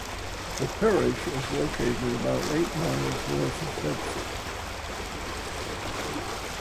The parish is located about eight miles north of Bedford.